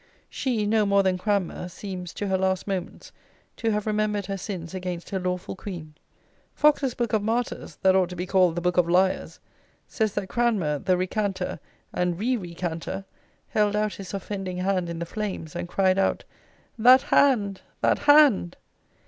She, no more than Cranmer, seems, to her last moments, to have remembered her sins against her lawful queen. Fox's "Book of Martyrs," that ought to be called "the Book of Liars," says that Cranmer, the recanter and re recanter, held out his offending hand in the flames, and cried out "that hand, that hand!"